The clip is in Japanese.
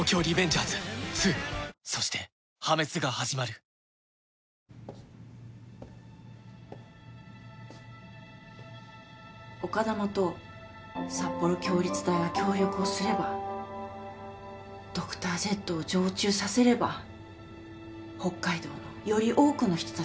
新「ＥＬＩＸＩＲ」丘珠と札幌共立大が協力をすればドクタージェットを常駐させれば北海道のより多くの人たちを